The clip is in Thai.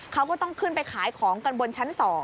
เขาก็ต้องขึ้นไปขายของกันบนชั้น๒